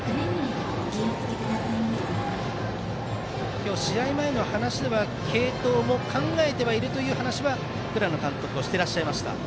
今日、試合前の話では継投も考えているという話も倉野監督はしていらっしゃいました。